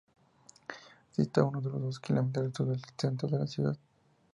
Se sitúa a unos dos kilómetros al sur del centro de la ciudad.